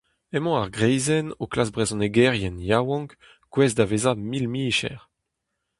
Emañ ar greizenn o klask brezhonegerien yaouank gouest da vezañ mil-micher.